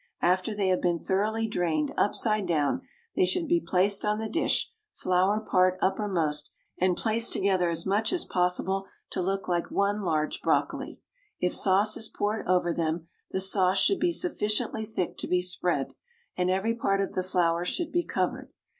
After they have been thoroughly drained upside down, they should be placed on the dish, flower part uppermost, and placed together as much as possible to look like one large brocoli. If sauce is poured over them, the sauce should be sufficiently thick to be spread, and every part of the flower should be covered.